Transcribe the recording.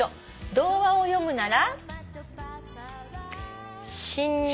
「童話を読むなら」